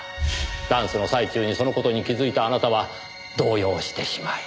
ダンスの最中にその事に気づいたあなたは動揺してしまい。